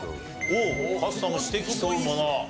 おおカスタムして競うもの。